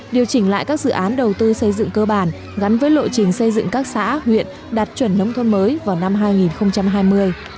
điều chỉnh lại các dự án đầu tư xây dựng cơ bản gắn với lộ trình xây dựng các xã huyện đạt chuẩn nông thôn mới vào năm hai nghìn hai mươi